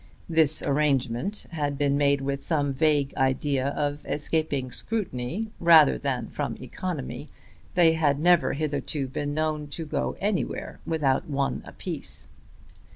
This arrangement had been made with some vague idea of escaping scrutiny rather than from economy. They had never hitherto been known to go anywhere without one apiece.